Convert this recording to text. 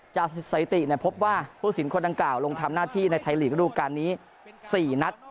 จากสถิติพบว่าผู้สินคนดังกล่าวลงทำหน้าที่ในไทยลีกระดูกการนี้๔นัด